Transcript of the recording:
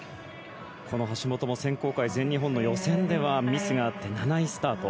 この橋本も選考会全日本の予選ではミスがあって７位スタート。